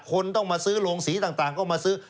คนต้องมาซื้อโรงสีต่างก็มาซื้อ